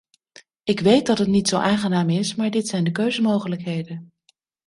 Ik weet dat het niet zo aangenaam is maar dit zijn de keuzemogelijkheden.